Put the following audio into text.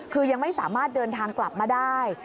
คือยังไม่สามารถเดินทางกลับมาได้